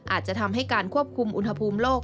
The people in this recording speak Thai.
อาจจะทำให้การควบคุมอุณหภูมิโลก